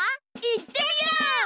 いってみよう！